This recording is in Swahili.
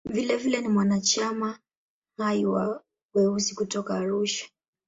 Vilevile ni mwanachama hai wa "Weusi" kutoka Arusha.